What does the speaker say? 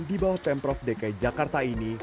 di bawah pemprov dki jakarta ini